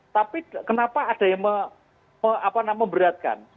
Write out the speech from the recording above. tapi kenapa ada yang memberatkan